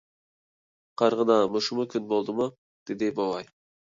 — قارىغىنا، مۇشۇمۇ كۈن بولدىمۇ؟ — دېدى بوۋاي.